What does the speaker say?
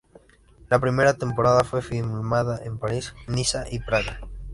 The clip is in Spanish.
La primera temporada fue filmada en París, Niza y Praga.